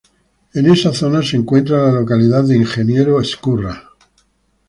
En esa zona se encuentra la localidad de Ingeniero Ezcurra.